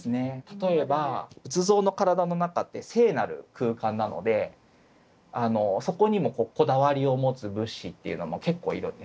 例えば仏像の体の中って聖なる空間なのでそこにもこだわりを持つ仏師っていうのも結構いるんですね。